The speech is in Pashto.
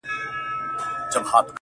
پر خړه مځکه به یې سیوري نه وي.!